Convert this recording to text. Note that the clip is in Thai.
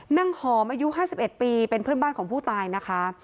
นางหอมอายุ๕๑ปีเป็นเพื่อนบ้านของผู้ตายนะคะ